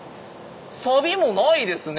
サビもないですね